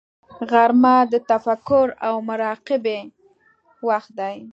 غرمه د تفکر او مراقبې وخت دی